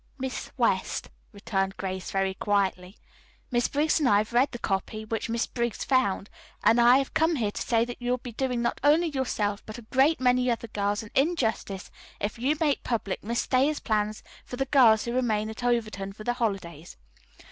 "Miss West," returned Grace very quietly, "Miss Briggs and I have read the copy which Miss Briggs found, and I have come here to say that you will be doing not only yourself but a great many other girls an injustice if you make public Miss Thayer's plans for the girls who remain at Overton for the holidays.